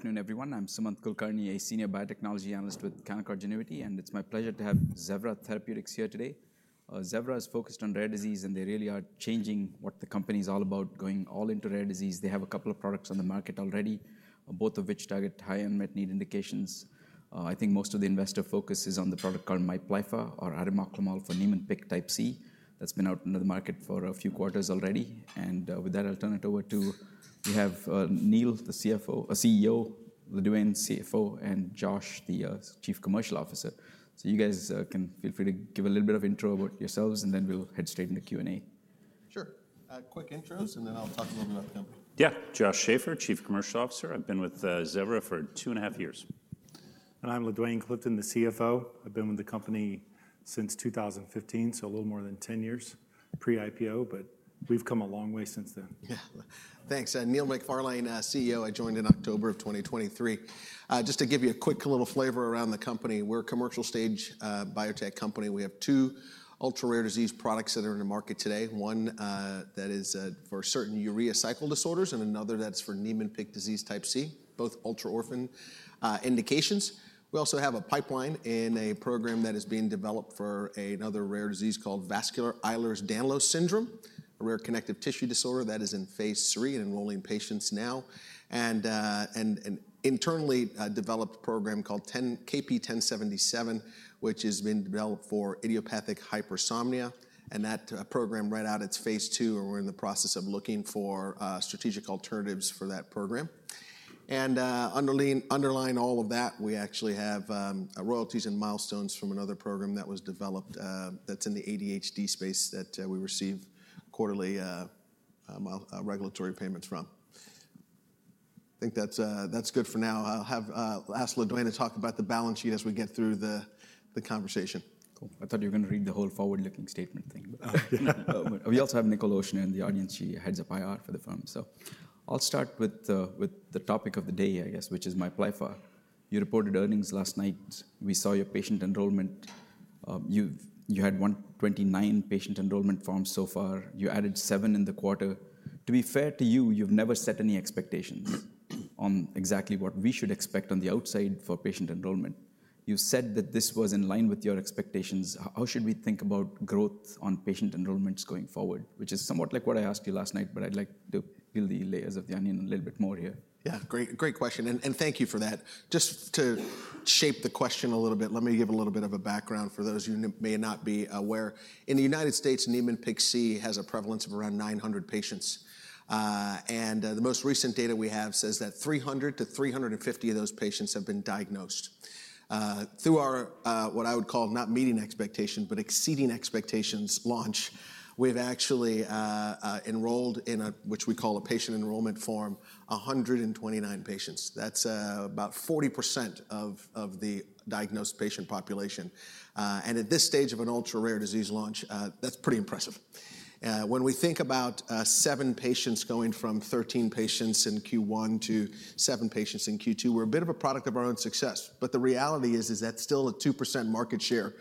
Good afternoon, everyone. I'm Sumant Kulkarni, a Senior Biotechnology Analyst with Canaccord Genuity. It's my pleasure to have Zevra Therapeutics here today. Zevra is focused on rare diseases, and they really are changing what the company is all about, going all into rare disease. They have a couple of products on the market already, both of which target high unmet need indications. I think most of the investor focus is on the product called Miplyffa, or arimoclomol for Niemann-Pick type C. That's been out in the market for a few quarters already. With that, I'll turn it over to you. You have Neil, the CEO, LaDuane, CFO, and Josh, the Chief Commercial Officer. You guys can feel free to give a little bit of intro about yourselves, and then we'll head straight into Q&A. Sure. Quick intros, and then I'll talk a little bit about the company. Yeah, Josh Schafer, Chief Commercial Officer. I've been with Zevra for 2.5 years. I'm R. LaDuane Clifton, the CFO. I've been with the company since 2015, so a little more than 10 years, pre-IPO, but we've come a long way since then. Thanks. Neil McFarlane, CEO. I joined in October of 2023. Just to give you a quick little flavor around the company, we're a commercial stage biotech company. We have two ultra-rare disease products that are in the market today, one that is for certain urea cycle disorders and another that's for Niemann-Pick disease type C, both ultra-orphan indications. We also have a pipeline in a program that is being developed for another rare disease called vascular Ehlers-Danlos syndrome, a rare connective tissue disorder that is in phase III and enrolling patients now. An internally developed program called KP1077 has been developed for idiopathic hypersomnia. That program read out its phase II, and we're in the process of looking for strategic alternatives for that program. Underlying all of that, we actually have royalties and milestones from another program that was developed that's in the ADHD space that we receive quarterly regulatory payments from. I think that's good for now. I'll have LaDuane talk about the balance sheet as we get through the conversation. Cool. I thought you were going to read the whole forward-looking statement thing. We also have Nichol Ochsner in the audience. She heads up IR for the firm. I'll start with the topic of the day, I guess, which is Miplyffa. You reported earnings last night. We saw your patient enrollment. You had 129 patient enrollment forms so far. You added seven in the quarter. To be fair to you, you've never set any expectations on exactly what we should expect on the outside for patient enrollment. You said that this was in line with your expectations. How should we think about growth on patient enrollments going forward, which is somewhat like what I asked you last night, but I'd like to peel the layers of the onion a little bit more here. Yeah, great question. Thank you for that. Just to shape the question a little bit, let me give a little bit of a background for those who may not be aware. In the United States, Niemann-Pick C has a prevalence of around 900 patients. The most recent data we have says that 300-350 of those patients have been diagnosed. Through our, what I would call not meeting expectations, but exceeding expectations launch, we've actually enrolled in what we call a patient enrollment form, 129 patients. That's about 40% of the diagnosed patient population. At this stage of an ultra-rare disease launch, that's pretty impressive. When we think about seven patients going from 13 patients in Q1 to seven patients in Q2, we're a bit of a product of our own success. The reality is that's still a 2% market share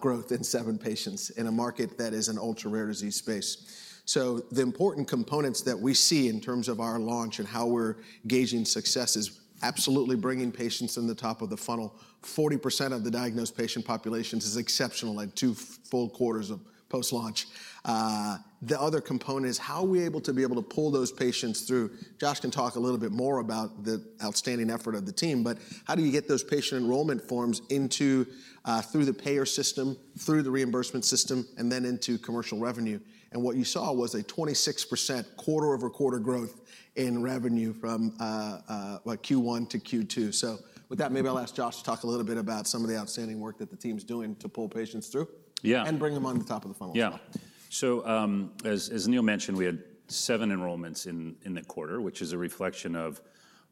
growth in seven patients in a market that is an ultra-rare disease space. The important components that we see in terms of our launch and how we're gauging success is absolutely bringing patients in the top of the funnel. 40% of the diagnosed patient population is exceptional at two full quarters of post-launch. The other component is how are we able to be able to pull those patients through. Josh can talk a little bit more about the outstanding effort of the team. How do you get those patient enrollment forms through the payer system, through the reimbursement system, and then into commercial revenue? What you saw was a 26% quarter-over-quarter growth in revenue from Q1 to Q2. With that, maybe I'll ask Josh to talk a little bit about some of the outstanding work that the team's doing to pull patients through and bring them on the top of the funnel. Yeah. As Neil mentioned, we had seven enrollments in the quarter, which is a reflection of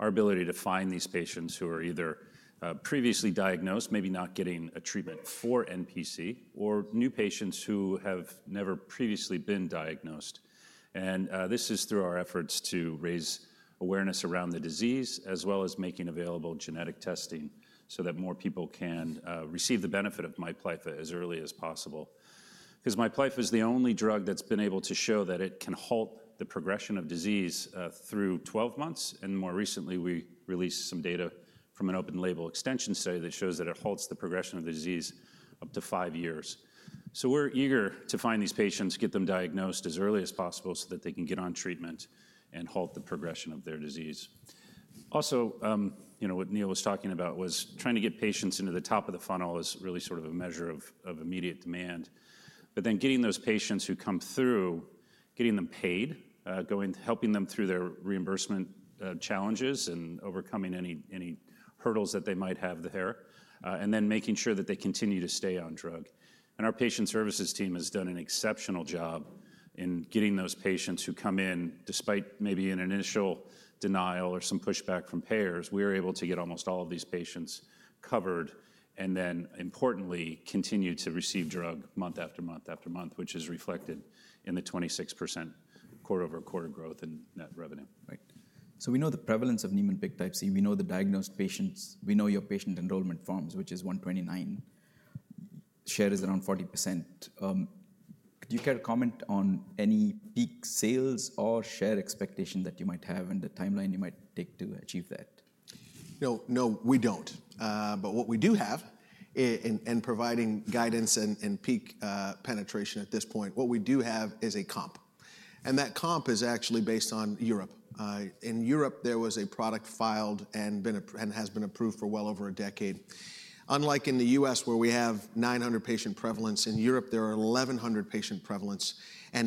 our ability to find these patients who are either previously diagnosed, maybe not getting a treatment for NPC, or new patients who have never previously been diagnosed. This is through our efforts to raise awareness around the disease, as well as making available genetic testing so that more people can receive the benefit of Miplyffa as early as possible. Miplyffa is the only drug that's been able to show that it can halt the progression of disease through 12 months. More recently, we released some data from an open-label extension study that shows that it halts the progression of the disease up to five years. We're eager to find these patients, get them diagnosed as early as possible so that they can get on treatment and halt the progression of their disease. Also, what Neil was talking about was trying to get patients into the top of the funnel, which is really sort of a measure of immediate demand. Then getting those patients who come through, getting them paid, helping them through their reimbursement challenges and overcoming any hurdles that they might have there, and then making sure that they continue to stay on drug. Our patient services team has done an exceptional job in getting those patients who come in, despite maybe an initial denial or some pushback from payers, we were able to get almost all of these patients covered and then, importantly, continue to receive drug month after month after month, which is reflected in the 26% quarter-over-quarter growth in net revenue. Right. We know the prevalence of Niemann-Pick type C. We know the diagnosed patients. We know your patient enrollment forms, which is 129. Share is around 40%. Could you get a comment on any peak sales or share expectation that you might have and the timeline you might take to achieve that? No, we don't. What we do have, in providing guidance and peak penetration at this point, is a comp. That comp is actually based on Europe. In Europe, there was a product filed and has been approved for well over a decade. Unlike in the U.S., where we have 900 patient prevalence, in Europe, there are 1,100 patient prevalence.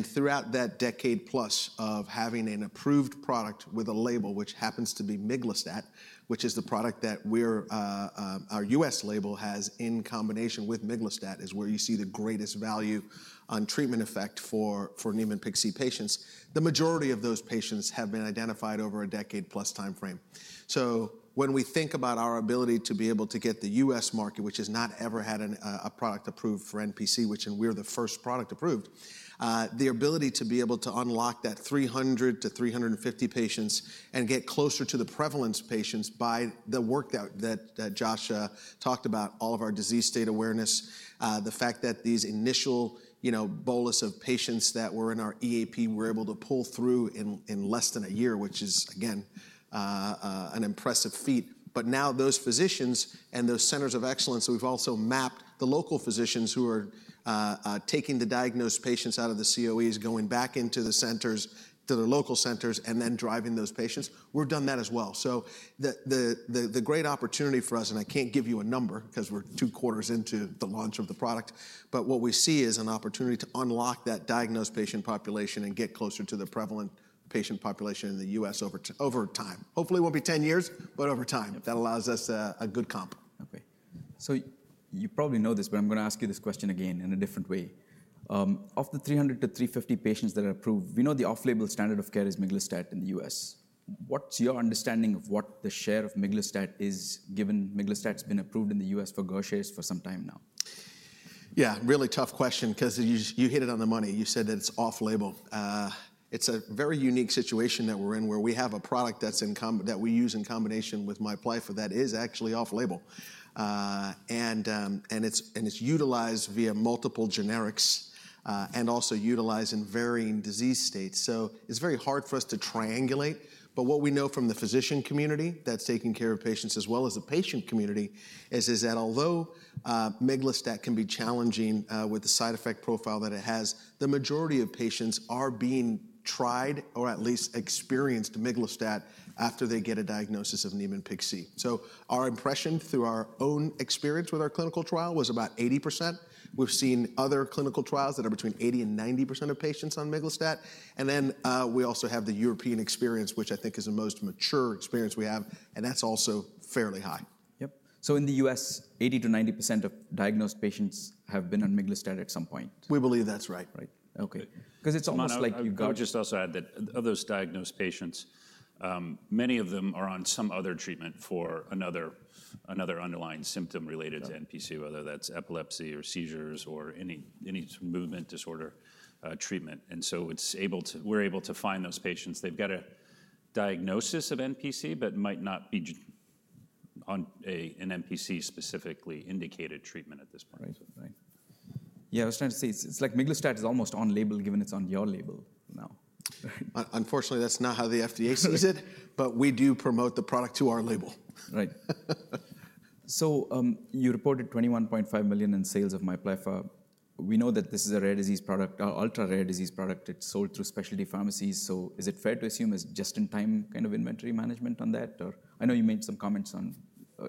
Throughout that decade plus of having an approved product with a label, which happens to be miglustat, which is the product that our U.S. label has in combination with miglustat, is where you see the greatest value on treatment effect for Niemann-Pick C patients. The majority of those patients have been identified over a decade-plus time frame. When we think about our ability to be able to get the U.S. market, which has not ever had a product approved for NPC, where we're the first product approved, the ability to be able to unlock that 300-350 patients and get closer to the prevalence patients by the work that Josh talked about, all of our disease state awareness, the fact that these initial bolus of patients that were in our EAP, we're able to pull through in less than a year, which is, again, an impressive feat. Now those physicians and those centers of excellence, we've also mapped the local physicians who are taking the diagnosed patients out of the COEs, going back into the centers, to the local centers, and then driving those patients. We've done that as well. The great opportunity for us, and I can't give you a number because we're two quarters into the launch of the product, is what we see as an opportunity to unlock that diagnosed patient population and get closer to the prevalent patient population in the U.S. over time. Hopefully, it won't be 10 years, but over time, that allows us a good comp. Okay. You probably know this, but I'm going to ask you this question again in a different way. Of the 300-350 patients that are approved, we know the off-label standard of care is miglustat in the U.S. What's your understanding of what the share of miglustat is, given miglustat's been approved in the U.S. for Gaucher for some time now? Yeah, really tough question because you hit it on the money. You said that it's off-label. It's a very unique situation that we're in, where we have a product that we use in combination with Miplyffa that is actually off-label. It's utilized via multiple generics and also utilized in varying disease states. It's very hard for us to triangulate. What we know from the physician community that's taking care of patients, as well as the patient community, is that although miglustat can be challenging with the side effect profile that it has, the majority of patients are being tried, or at least experienced miglustat, after they get a diagnosis of Niemann-Pick C. Our impression through our own experience with our clinical trial was about 80%. We've seen other clinical trials that are between 80% and 90% of patients on miglustat. We also have the European experience, which I think is the most mature experience we have. That's also fairly high. Yep. In the U.S., 80%-90% of diagnosed patients have been on miglustat at some point. We believe that's right. Right. Okay, because it's almost like you've got. I'll just also add that of those diagnosed patients, many of them are on some other treatment for another underlying symptom related to NPC, whether that's epilepsy or seizures or any movement disorder treatment. We're able to find those patients. They've got a diagnosis of NPC, but might not be on an NPC-specifically indicated treatment at this point. Right. Yeah, I was trying to see. It's like miglustat is almost on-label, given it's on your label now. Unfortunately, that's not how the FDA sees it. We do promote the product to our label. Right. You reported $21.5 million in sales of Miplyffa. We know that this is a rare disease product, an ultra-rare disease product. It's sold through specialty pharmacies. Is it fair to assume it's just-in-time kind of inventory management on that? I know you made some comments on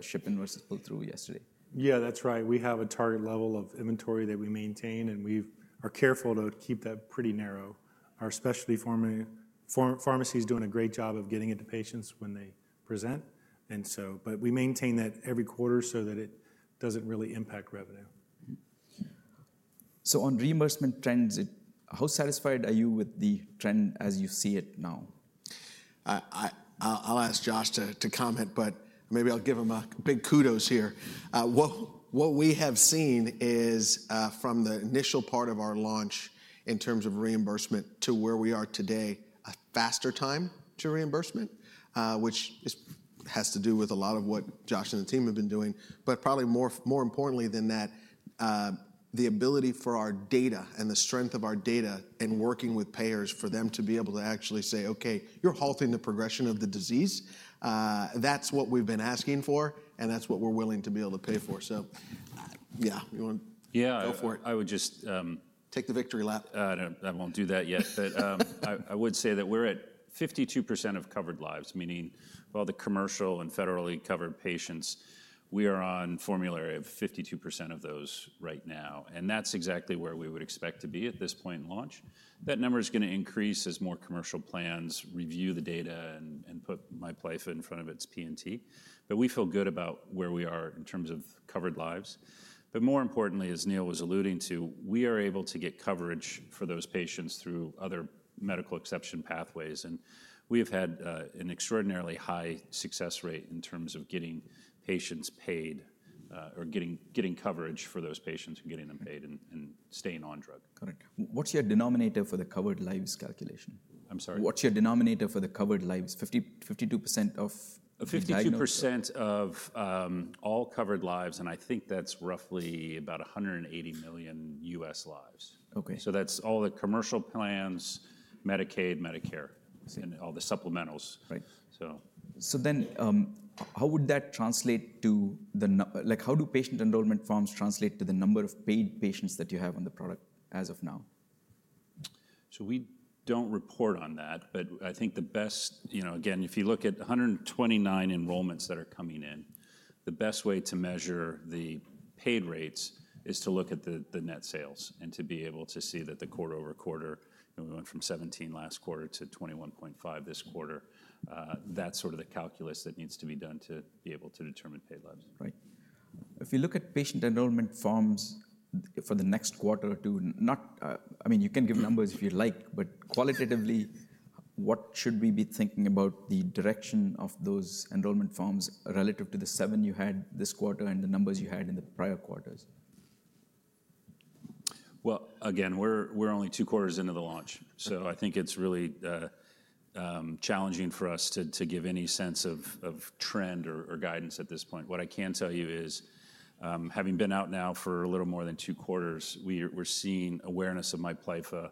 shipping versus pull-through yesterday. Yeah, that's right. We have a target level of inventory that we maintain, and we are careful to keep that pretty narrow. Our specialty pharmacy is doing a great job of getting it to patients when they present. We maintain that every quarter so that it doesn't really impact revenue. On reimbursement trends, how satisfied are you with the trend as you see it now? I'll ask Josh to comment, but maybe I'll give him a big kudos here. What we have seen is from the initial part of our launch in terms of reimbursement to where we are today, a faster time to reimbursement, which has to do with a lot of what Josh and the team have been doing. Probably more importantly than that, the ability for our data and the strength of our data and working with payers for them to be able to actually say, okay, you're halting the progression of the disease. That's what we've been asking for, and that's what we're willing to be able to pay for. Yeah, you want to go for it? I would just. Take the victory lap. I won't do that yet. I would say that we're at 52% of covered lives, meaning of all the commercial and federally covered patients, we are on a formulary of 52% of those right now. That's exactly where we would expect to be at this point in launch. That number is going to increase as more commercial plans review the data and put Miplyffa in front of its P&T. We feel good about where we are in terms of covered lives. More importantly, as Neil was alluding to, we are able to get coverage for those patients through other medical exception pathways. We have had an extraordinarily high success rate in terms of getting patients paid or getting coverage for those patients and getting them paid and staying on drug. Correct. What's your denominator for the covered lives calculation? I'm sorry? What's your denominator for the covered lives, 52% of? 52% of all covered lives, and I think that's roughly about 180 million U.S. lives. That's all the commercial plans, Medicaid, Medicare, and all the supplementals. Right. How would that translate to the, like, how do patient enrollment forms translate to the number of paid patients that you have on the product as of now? We don't report on that. I think the best, you know, again, if you look at 129 enrollments that are coming in, the best way to measure the paid rates is to look at the net sales and to be able to see that quarter-over-quarter, we went from 17 last quarter to $21.5 this quarter. That's sort of the calculus that needs to be done to be able to determine paid lives. Right. If you look at patient enrollment forms for the next quarter or two, you can give numbers if you like. Qualitatively, what should we be thinking about the direction of those enrollment forms relative to the seven you had this quarter and the numbers you had in the prior quarters? We're only two quarters into the launch, so I think it's really challenging for us to give any sense of trend or guidance at this point. What I can tell you is, having been out now for a little more than two quarters, we're seeing awareness of Miplyffa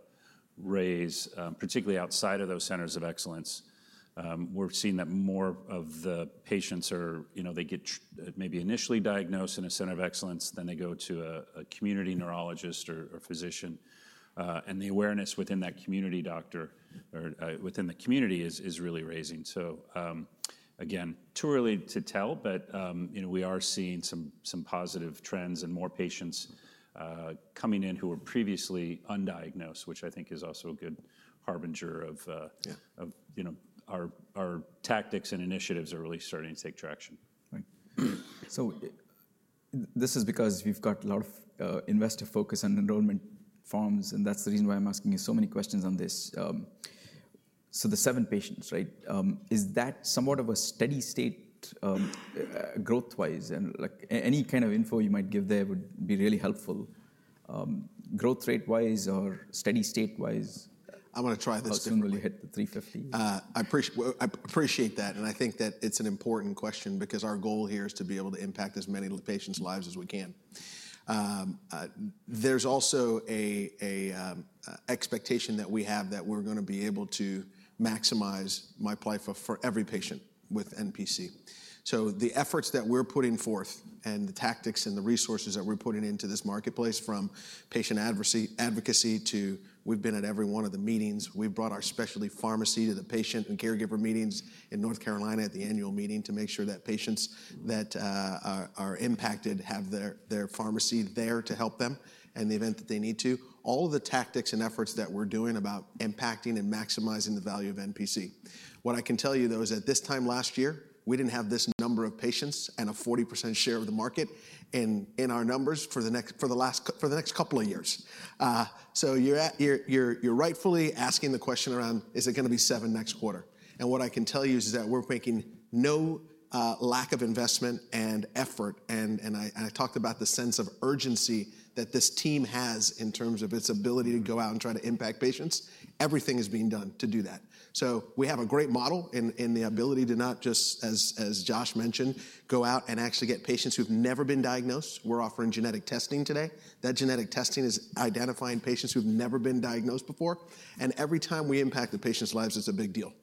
raise, particularly outside of those centers of excellence. We're seeing that more of the patients, they get maybe initially diagnosed in a center of excellence, then they go to a community neurologist or physician. The awareness within that community doctor or within the community is really raising. Again, too early to tell, but we are seeing some positive trends and more patients coming in who were previously undiagnosed, which I think is also a good harbinger that our tactics and initiatives are really starting to take traction. Right. This is because we've got a lot of investor focus on enrollment forms. That's the reason why I'm asking you so many questions on this. The seven patients, right? Is that somewhat of a steady state growth-wise? Any kind of info you might give there would be really helpful growth rate-wise or steady state-wise. I'm going to try this too. Assuming we hit the 350? I appreciate that. I think that it's an important question because our goal here is to be able to impact as many patients' lives as we can. There's also an expectation that we have that we're going to be able to maximize Miplyffa for every patient with NPC. The efforts that we're putting forth and the tactics and the resources that we're putting into this marketplace, from patient advocacy to we've been at every one of the meetings. We've brought our specialty pharmacy to the patient and caregiver meetings in North Carolina at the annual meeting to make sure that patients that are impacted have their pharmacy there to help them in the event that they need to. All of the tactics and efforts that we're doing are about impacting and maximizing the value of NPC. What I can tell you, though, is at this time last year, we didn't have this number of patients and a 40% share of the market in our numbers for the next couple of years. You're rightfully asking the question around, is it going to be seven next quarter? What I can tell you is that we're making no lack of investment and effort. I talked about the sense of urgency that this team has in terms of its ability to go out and try to impact patients. Everything is being done to do that. We have a great model in the ability to not just, as Josh mentioned, go out and actually get patients who've never been diagnosed. We're offering genetic testing today. That genetic testing is identifying patients who've never been diagnosed before. Every time we impact the patient's lives, it's a big deal.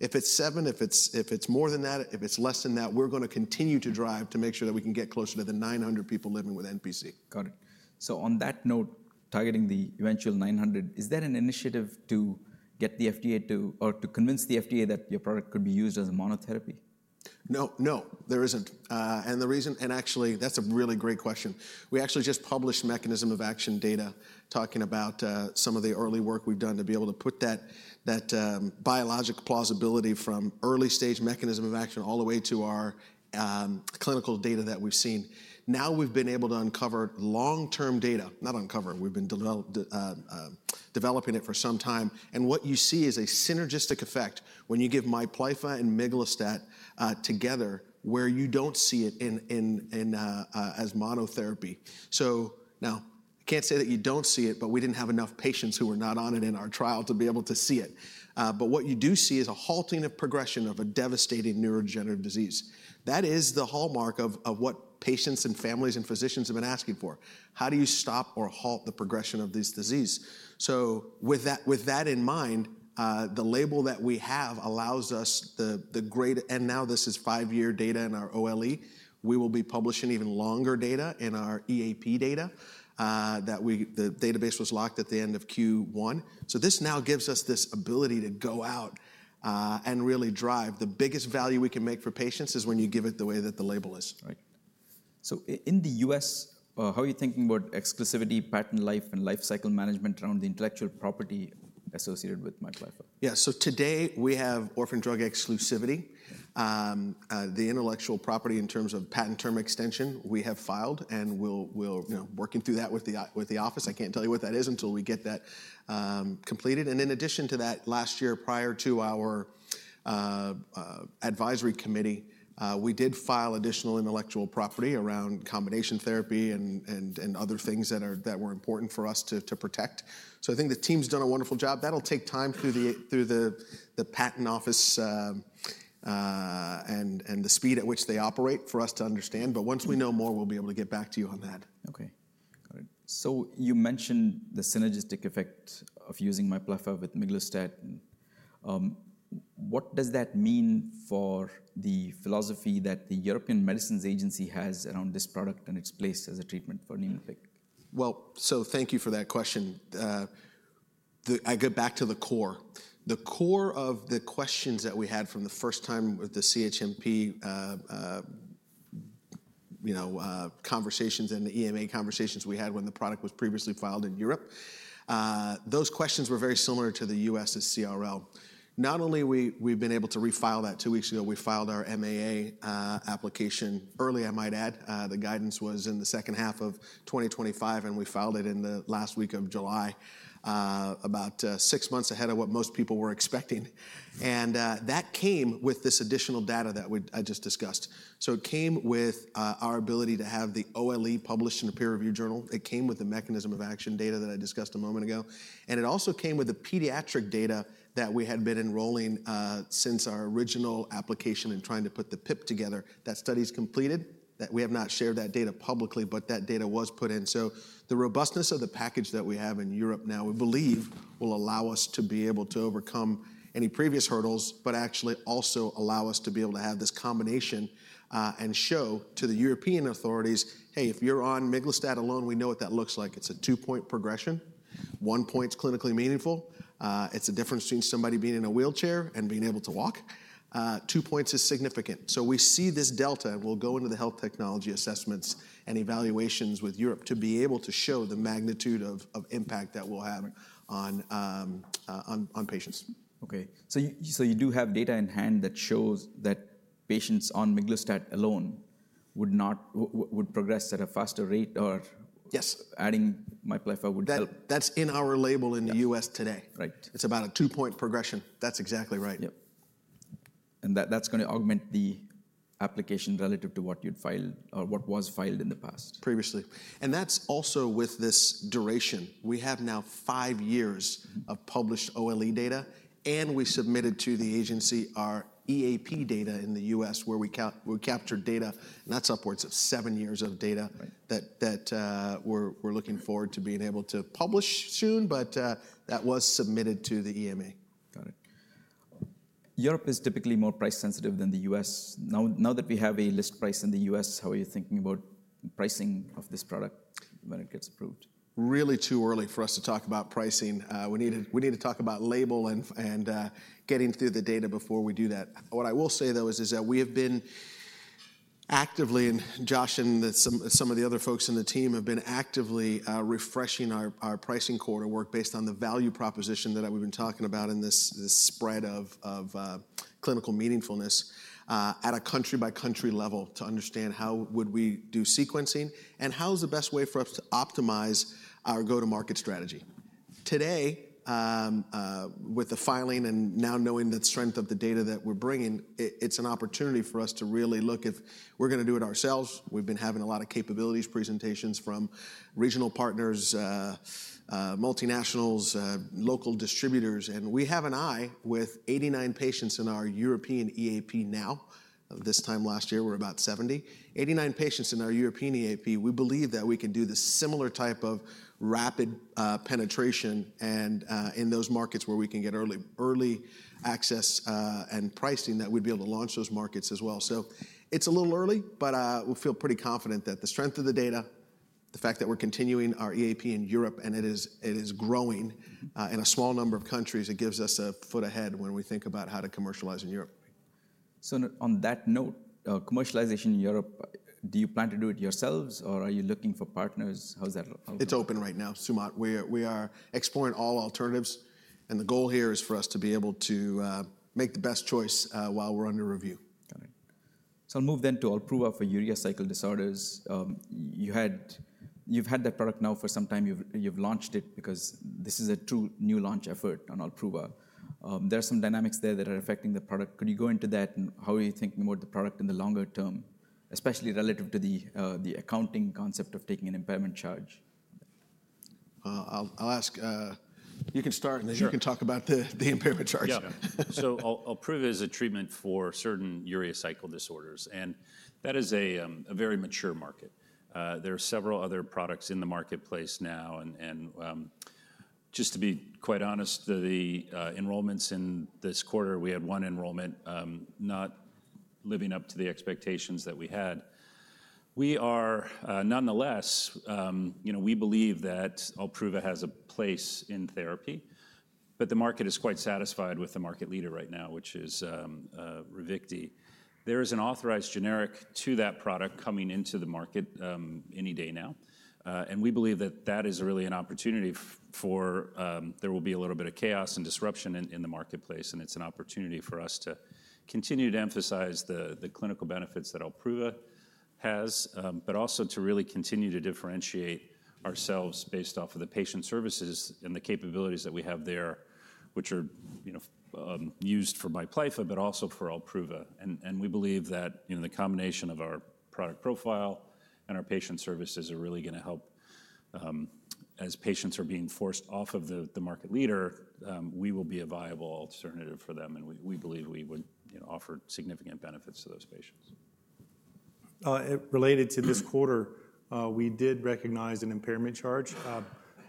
If it's seven, if it's more than that, if it's less than that, we're going to continue to drive to make sure that we can get closer to the 900 people living with NPC. Got it. On that note, targeting the eventual 900, is there an initiative to get the FDA or to convince the FDA that your product could be used as a monotherapy? No, there isn't. Actually, that's a really great question. We actually just published mechanism of action data talking about some of the early work we've done to be able to put that biologic plausibility from early-stage mechanism of action all the way to our clinical data that we've seen. Now we've been able to uncover long-term data, not uncover, we've been developing it for some time. What you see is a synergistic effect when you give Miplyffa and miglustat together, where you don't see it as monotherapy. I can't say that you don't see it, but we didn't have enough patients who were not on it in our trial to be able to see it. What you do see is a halting of progression of a devastating neurodegenerative disease. That is the hallmark of what patients and families and physicians have been asking for. How do you stop or halt the progression of this disease? With that in mind, the label that we have allows us the greater, and now this is five-year data in our open-label extension. We will be publishing even longer data in our EAP data. The database was locked at the end of Q1. This now gives us this ability to go out and really drive. The biggest value we can make for patients is when you give it the way that the label is. Right. In the U.S., how are you thinking about exclusivity, patent life, and life cycle management around the intellectual property associated with Miplyffa? Yeah, today we have orphan drug exclusivity. The intellectual property in terms of patent term extension, we have filed. We're working through that with the office. I can't tell you what that is until we get that completed. In addition to that, last year, prior to our advisory committee, we did file additional intellectual property around combination therapy and other things that were important for us to protect. I think the team's done a wonderful job. That'll take time through the patent office and the speed at which they operate for us to understand. Once we know more, we'll be able to get back to you on that. Okay. Got it. You mentioned the synergistic effect of using Miplyffa with miglustat. What does that mean for the philosophy that the EMA has around this product and its place as a treatment for Niemann-Pick? Thank you for that question. I go back to the core. The core of the questions that we had from the first time with the CHMP conversations and the EMA conversations we had when the product was previously filed in Europe, those questions were very similar to the U.S.'s CRL. Not only have we been able to refile that two weeks ago, we filed our MAA application early, I might add. The guidance was in the second half of 2025. We filed it in the last week of July, about six months ahead of what most people were expecting. That came with this additional data that I just discussed. It came with our ability to have the OLE published in a peer-reviewed journal. It came with the mechanism of action data that I discussed a moment ago. It also came with the pediatric data that we had been enrolling since our original application and trying to put the PIP together. That study is completed. We have not shared that data publicly, but that data was put in. The robustness of the package that we have in Europe now, we believe, will allow us to be able to overcome any previous hurdles, but actually also allow us to be able to have this combination and show to the European authorities, hey, if you're on miglustat alone, we know what that looks like. It's a two-point progression. One point's clinically meaningful. It's a difference between somebody being in a wheelchair and being able to walk. Two points is significant. We see this delta. We'll go into the health technology assessments and evaluations with Europe to be able to show the magnitude of impact that we'll have on patients. OK. You do have data in hand that shows that patients on miglustat alone would progress at a faster rate or. Yes. Adding Miplyffa would help. That's in our label in the U.S. today. It's about a two-point progression. That's exactly right. Yes, that's going to augment the application relative to what you'd filed or what was filed in the past. Previously, that's also with this duration. We have now five years of published OLE data. We submitted to the agency our EAP data in the U.S., where we captured data. That's upwards of seven years of data that we're looking forward to being able to publish soon. That was submitted to the EMA. Got it. Europe is typically more price-sensitive than the U.S. Now that we have a list price in the U.S., how are you thinking about pricing of this product when it gets approved? Really too early for us to talk about pricing. We need to talk about label and getting through the data before we do that. What I will say, though, is that we have been actively, and Josh and some of the other folks in the team have been actively refreshing our pricing quarter work based on the value proposition that we've been talking about in this spread of clinical meaningfulness at a country-by-country level to understand how would we do sequencing and how is the best way for us to optimize our go-to-market strategy. Today, with the filing and now knowing the strength of the data that we're bringing, it's an opportunity for us to really look if we're going to do it ourselves. We have been having a lot of capabilities presentations from regional partners, multinationals, local distributors. We have an eye with 89 patients in our European EAP now. This time last year, we were about 70. 89 patients in our European EAP, we believe that we could do this similar type of rapid penetration in those markets where we can get early access and pricing that we'd be able to launch those markets as well. It is a little early, but we feel pretty confident that the strength of the data, the fact that we're continuing our EAP in Europe and it is growing in a small number of countries, gives us a foot ahead when we think about how to commercialize in Europe. On that note, commercialization in Europe, do you plan to do it yourselves or are you looking for partners? It's open right now, Sumant. We are exploring all alternatives. The goal here is for us to be able to make the best choice while we're under review. Got it. I'll move then to Olpruva for urea cycle disorders. You've had that product now for some time. You've launched it because this is a true new launch effort on Olpruva. There are some dynamics there that are affecting the product. Could you go into that? How are you thinking about the product in the longer term, especially relative to the accounting concept of taking an impairment charge? I'll ask. You can start, and then you can talk about the impairment charge. Yeah. Olpruva is a treatment for certain urea cycle disorders. That is a very mature market. There are several other products in the marketplace now. To be quite honest, the enrollments in this quarter, we had one enrollment not living up to the expectations that we had. Nonetheless, we believe that Olpruva has a place in therapy. The market is quite satisfied with the market leader right now, which is Ravicti. There is an authorized generic to that product coming into the market any day now. We believe that is really an opportunity, as there will be a little bit of chaos and disruption in the marketplace. It's an opportunity for us to continue to emphasize the clinical benefits that Olpruva has, but also to really continue to differentiate ourselves based off of the patient services and the capabilities that we have there, which are used for Miplyffa, but also for Olpruva. We believe that the combination of our product profile and our patient services are really going to help. As patients are being forced off of the market leader, we will be a viable alternative for them. We believe we would offer significant benefits to those patients. Related to this quarter, we did recognize an impairment charge.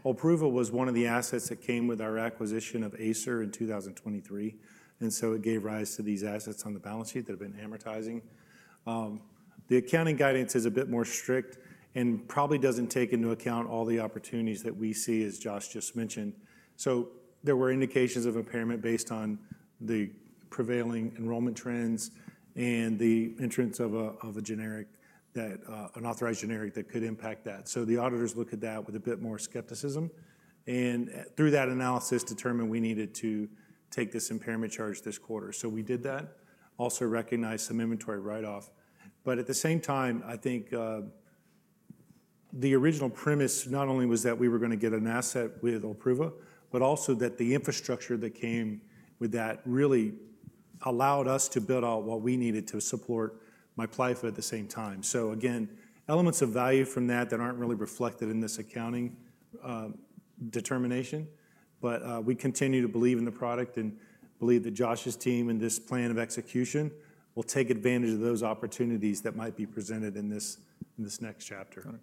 Olpruva was one of the assets that came with our acquisition of ACER in 2023, and it gave rise to these assets on the balance sheet that have been amortizing. The accounting guidance is a bit more strict and probably does not take into account all the opportunities that we see, as Josh just mentioned. There were indications of impairment based on the prevailing enrollment trends and the entrance of an authorized generic that could impact that. The auditors look at that with a bit more skepticism. Through that analysis, it was determined we needed to take this impairment charge this quarter. We did that. We also recognized some inventory write-off. At the same time, I think the original premise not only was that we were going to get an asset with Olpruva, but also that the infrastructure that came with that really allowed us to build out what we needed to support Miplyffa at the same time. Again, elements of value from that that are not really reflected in this accounting determination. We continue to believe in the product and believe that Josh's team and this plan of execution will take advantage of those opportunities that might be presented in this next chapter. Got it.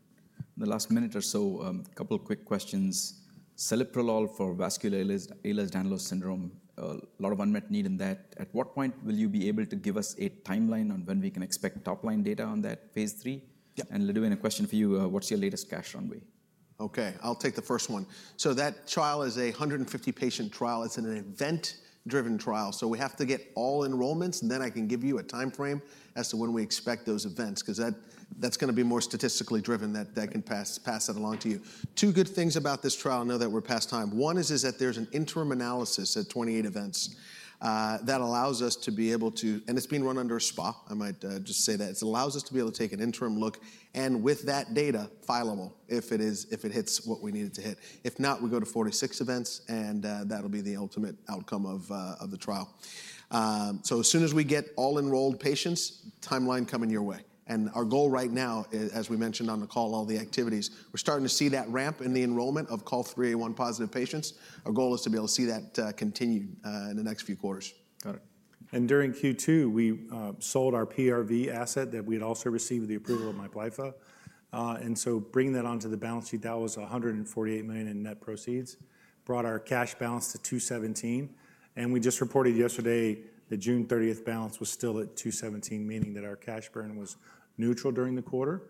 In the last minute or so, a couple of quick questions. Celiprolol for vascular Ehlers-Danlos syndrome, a lot of unmet need in that. At what point will you be able to give us a timeline on when we can expect top-line data on that phase III? LaDuane, a question for you. What's your latest cash runway? Okay, I'll take the first one. That trial is a 150-patient trial. It's an event-driven trial. We have to get all enrollments, and then I can give you a time frame as to when we expect those events because that's going to be more statistically driven. I can pass that along to you. Two good things about this trial, I know that we're past time. One is that there's an interim analysis at 28 events. That allows us to be able to, and it's being run under a SPA. I might just say that. It allows us to be able to take an interim look. With that data, fillable if it hits what we need it to hit. If not, we go to 46 events. That'll be the ultimate outcome of the trial. As soon as we get all enrolled patients, timeline coming your way. Our goal right now, as we mentioned on the call, all the activities, we're starting to see that ramp in the enrollment of call 3A1 positive patients. Our goal is to be able to see that continue in the next few quarters. Got it. During Q2, we sold our priority review voucher asset that we had also received with the approval of Miplyffa. Bringing that onto the balance sheet, that was $148 million in net proceeds. This brought our cash balance to $217 million. We just reported yesterday the June 30 balance was still at $217 million, meaning that our cash burn was neutral during the quarter.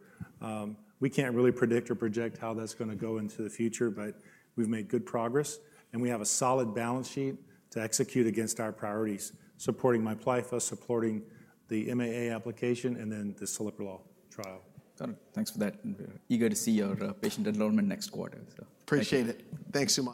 We can't really predict or project how that's going to go into the future. We've made good progress, and we have a solid balance sheet to execute against our priorities, supporting Miplyffa, supporting the MAA application, and then the celiprolol trial. Got it. Thanks for that. Eager to see your patient enrollment next quarter. Appreciate it. Thanks, Neil.